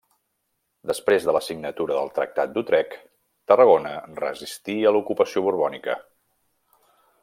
Després de la signatura del Tractat d'Utrecht, Tarragona resistí a l'ocupació borbònica.